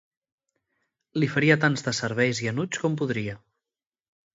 Li faria tants desserveis i enuigs com podria.